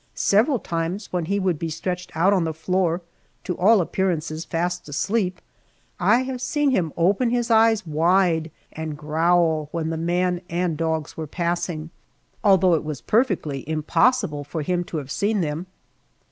Several times when he would be stretched out on the floor, to all appearances fast asleep, I have seen him open his eyes wide and growl when the man and dogs were passing, although it was perfectly impossible for him to have seen them.